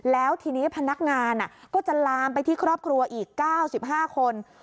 แล้วทีนี้พนักงานก็จะลามไปที่ครอบครัวอีก๙๕คน